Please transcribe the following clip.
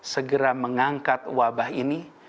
segera mengangkat wabah ini